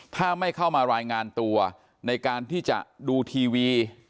ถ้าไม่เข้ามารายงานตัวในการที่จะดูทีวี